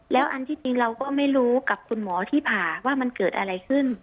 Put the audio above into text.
แล้วอันที่จริงเราก็ไม่รู้กับคุณหมอที่ผ่าว่ามันเกิดอะไรขึ้น